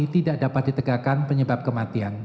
tidak dapat ditegakkan penyebab kematian